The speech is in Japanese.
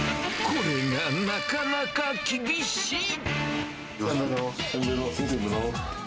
これがなかなか厳しい。